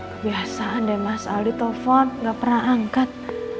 kebiasaan deh mas aldi telepon gak pernah angkat